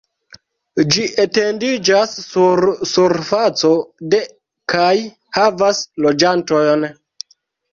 Ĝi etendiĝas sur surfaco de kaj havas loĝantojn.